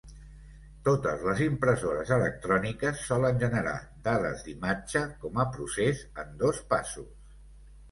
Totes les impressores electròniques solen generar dades d'imatge com a procés en dos passos.